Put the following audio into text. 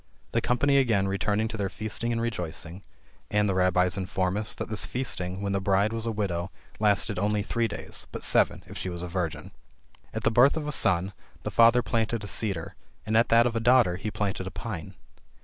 The company again returned to their feasting and rejoicing; and the Rabbies inform us, that this feasting, when the bride, was a widow, lasted only three days, but seven if she was a virgin. At the birth of a son, the father planted a cedar; and at that of a daughter, he planted a pine.